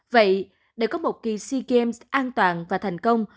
vậy để có một kỳ sea games an toàn và thành công